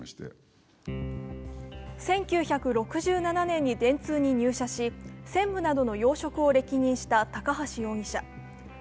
１９６７年に電通に入社し専務などの要職を歴任した高橋容疑者。